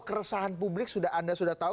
keresahan publik anda sudah tahu